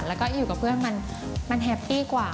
แล้วก็อยู่กับเพื่อนมันแฮปปี้กว่า